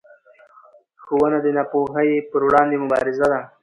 ښوونه د ناپوهۍ پر وړاندې مبارزه ده